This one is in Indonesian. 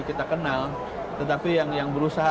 kita kenal tetapi yang yang berusaha